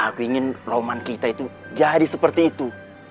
aku ingin roman kita itu jadi seperti itu